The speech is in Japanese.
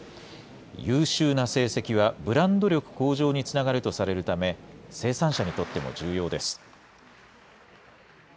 優秀な成績はブランド力向上につながるとされるため、生産者にとっても重要です。